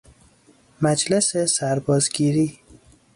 مجلس سرباز گیری